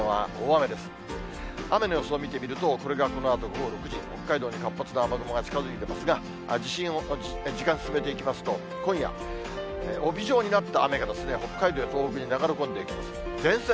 雨の予想を見てみると、これがこのあと午後６時、北海道に活発な雨雲が近づいてくるんですが、時間進めていきますと、今夜、帯状になった雨が北海道や東北に流れ込んでいきます。